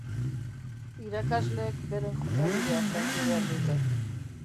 Irakasleek beren jokabidea zaindu behar dute.